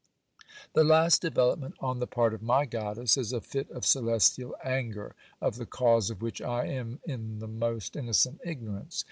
'The last development on the part of my goddess is a fit of celestial anger, of the cause of which I am in the most innocent ignorance.